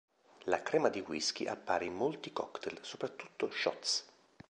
La crema di whiskey appare in molti cocktail, soprattutto shots.